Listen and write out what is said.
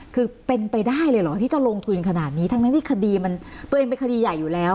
คือเป็นไปได้เลยเหรอที่จะลงทุนขนาดนี้ทั้งที่คดีมันตัวเองเป็นคดีใหญ่อยู่แล้ว